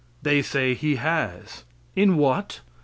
They say He has. In what?